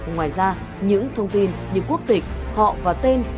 ngoài ra những thông tin như quốc tịch họ và tên